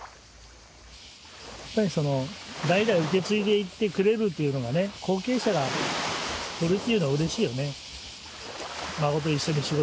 やっぱり代々受け継いでいってくれるというのがね後継者がおるというのはうれしいよね。